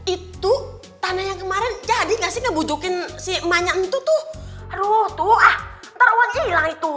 begini ya tuh itu tanah yang kemarin jadi kasih bujukin si manya untuk aduh tua terwajil itu